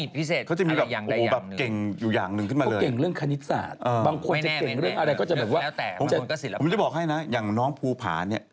ผมจะบอกให้นะอย่างน้องภูผาเนี่ย